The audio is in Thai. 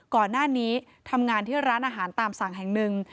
ก่อนหน้านี้ทำงานที่ร้านอาหารตามสั่งแห่งหนึ่ง